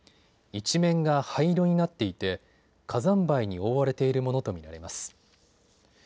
一面が灰色になっていて火山灰に覆われているものと見られます。